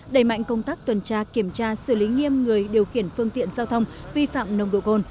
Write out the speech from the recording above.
đẩy mạnh công tác tuần tra kiểm tra xử lý nghiêm người điều khiển phương tiện giao thông vi phạm nồng độ cồn